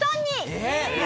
えっ！？